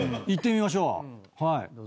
⁉いってみましょう。